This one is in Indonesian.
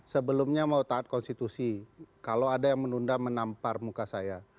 sebelumnya mau taat konstitusi kalau ada yang menunda menampar muka saya